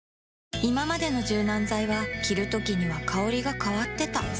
いままでの柔軟剤は着るときには香りが変わってた